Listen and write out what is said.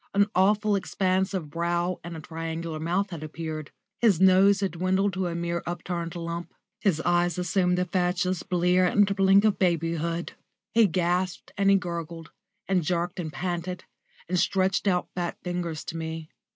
An awful expanse of brow and a triangular mouth had appeared; his nose had dwindled to a mere upturned lump, his eyes assumed the fatuous blear and blink of babyhood; he gasped and he gurgled, and jerked and panted, and stretched out fat fingers to me.